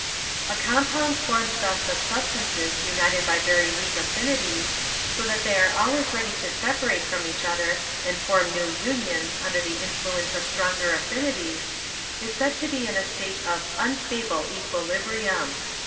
A compound formed thus of substances united by very weak affinities, so that they are always ready to separate from each other and form new unions under the influence of stronger affinities, is said to be in a state of _unstable equilibrium.